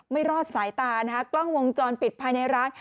ไม่รอดสายตานะคะกล้องวงจรปิดภายในร้าน